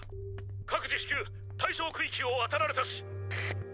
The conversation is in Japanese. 各自至急対象区域をあたられたし。